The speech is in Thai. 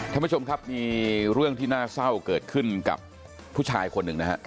ท่านผู้ชมครับมีเรื่องที่น่าเศร้าเกิดขึ้นกับผู้ชายคนหนึ่งนะฮะ